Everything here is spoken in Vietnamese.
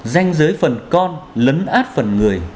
danh giới phần con lấn át phần người